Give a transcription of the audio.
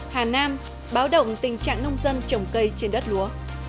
hà nam báo động tình trạng nông dân trồng cây trên đất lúa